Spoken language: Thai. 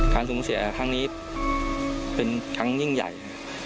การสูญเสียทางนี้เป็นทั้งยิ่งใหญ่